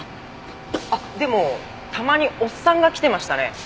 あっでもたまにおっさんが来てましたね。